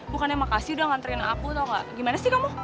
bukannya makasih udah nganterin aku atau gak gimana sih kamu